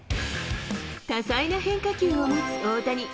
多彩な変化球を持つ大谷。